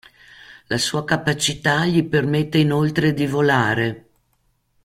La sua capacità gli permette inoltre di volare.